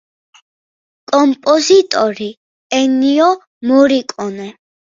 კომპოზიტორი ენიო მორიკონე.